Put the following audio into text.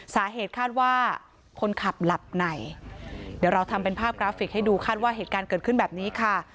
สาเหตุคาดว่าคนขับหลับไหนเดี๋ยวเราทำเป็นภาพกราฟิกให้ดูคาดว่าเหตุการณ์เกิดขึ้นแบบนี้ค่ะ